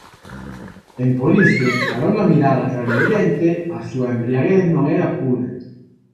Emporiso, para unha mirada clarividente, a súa embriaguez non era pura.